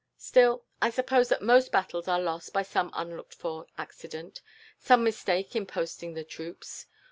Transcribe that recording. Still, I suppose that most battles are lost by some unlooked for accident some mistake in posting the troops.